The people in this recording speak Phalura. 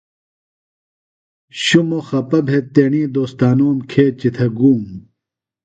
شُمو خپہ بھےۡ تیݨی دوستانوم کیچیۡ تھےۡ گوم۔